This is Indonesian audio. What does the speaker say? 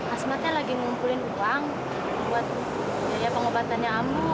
asmatnya lagi ngumpulin uang buat biaya pengobatannya amuk